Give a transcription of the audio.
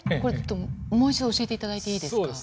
もう一度教えて頂いていいですか。